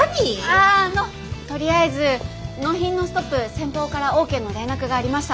ああのとりあえず納品のストップ先方からＯＫの連絡がありました。